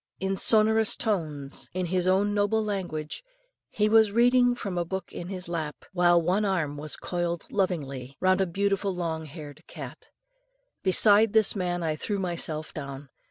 In sonorous tones, in his own noble language, he was reading from a book in his lap, while one arm was coiled lovingly round a beautiful long haired cat. Beside this man I threw myself down.